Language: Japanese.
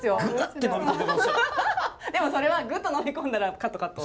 でもそれはグッと飲み込んだらカットカット！